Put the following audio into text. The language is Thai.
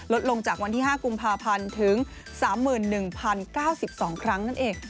ลงจากวันที่๕กุมภาพันธ์ถึง๓๑๐๙๒ครั้งนั่นเอง